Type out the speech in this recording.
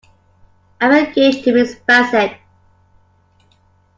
I'm engaged to Miss Bassett.